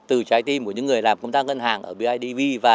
và từ trái tim của những người làm công tác ngân hàng ở bidv việt nam